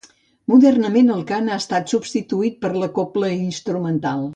Modernament el cant ha estat substituït per la cobla instrumental.